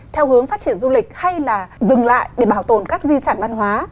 theo hướng phát triển du lịch hay là dừng lại để bảo tồn các di sản văn hóa